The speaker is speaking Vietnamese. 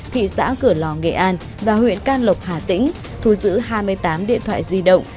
thị xã cửa lò nghệ an và huyện can lộc hà tĩnh thu giữ hai mươi tám điện thoại di động